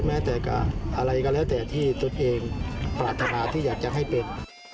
อะไรก็แล้วแต่ที่ตัวเองปรารถนาที่อยากจะให้เป็น